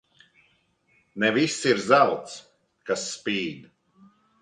Ne viss ir zelts, kas spīd.